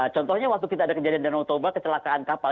contohnya waktu kita ada kejadian danau toba kecelakaan kapal